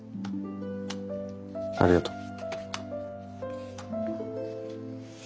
ありがとう。